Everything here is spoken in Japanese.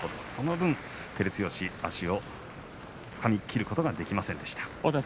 その分、照強足をつかみきることができませんでした。